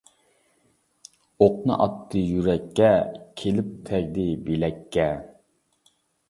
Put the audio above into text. ئوقنى ئاتتى يۈرەككە، كېلىپ تەگدى بىلەككە.